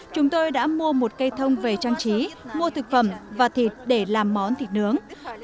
chúng tôi đã mua một cây thông về trang trí mua thực phẩm và thịt để làm món thịt nướng